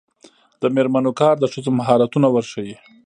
د میرمنو کار د ښځو مهارتونه ورښيي.